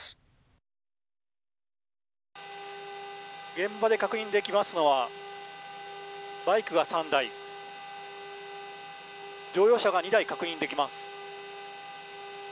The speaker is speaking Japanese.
現場で確認できますのはバイクが３台乗用車が２台、確認できます。